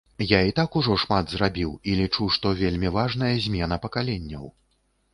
Я і так ужо шмат зрабіў і лічу, што вельмі важная змена пакаленняў.